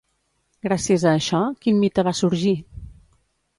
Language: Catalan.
Gràcies a això, quin mite va sorgir?